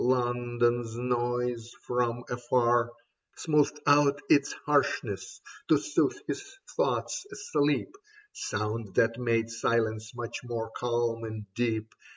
London's noise from afar Smoothed out its harshness to soothe his thoughts asleep, Sound that made silence much more calm and deep.